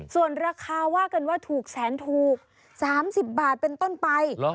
ส่วนราคาว่ากันว่าถูกแสนถูก๓๐บาทเป็นต้นไป